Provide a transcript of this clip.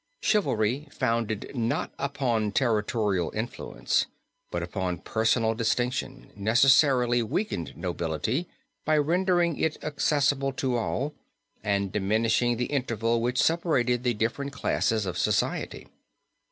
Chivalry founded not upon territorial influence, but upon personal distinction, necessarily weakened nobility by rendering it accessible to all, and diminishing the interval which separated the different classes of society.